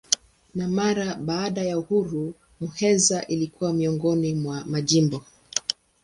Na mara baada ya uhuru Muheza ilikuwa miongoni mwa majimbo.